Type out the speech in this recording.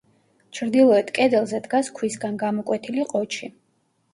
ჩრდილოეთ კედელზე დგას ქვისგან გამოკვეთილი ყოჩი.